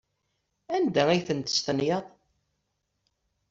Anda ay tent-testenyaḍ?